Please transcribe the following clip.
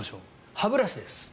歯ブラシです。